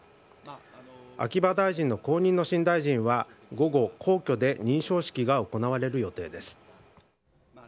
秋葉大臣の後任の新大臣は、午後、皇居で認証式が行われる予定です。